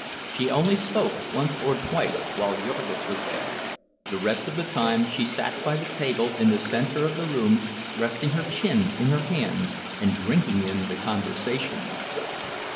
She only spoke once or twice while Jurgis was there—the rest of the time she sat by the table in the center of the room, resting her chin in her hands and drinking in the conversation.